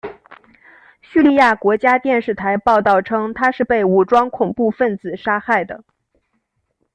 叙利亚国家电视台报道称他是被武装恐怖分子杀害的。